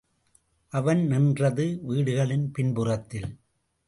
அவன் நின்றது வீடுகளின் பின்புறத்தில்.